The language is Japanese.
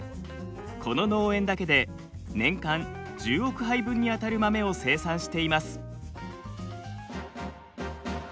この農園だけで年間１０億杯分にあたる豆を生産しています。